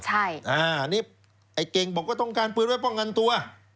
อันนี้ไอ้เก่งบอกว่าต้องการปืนไว้ป้องกันตัว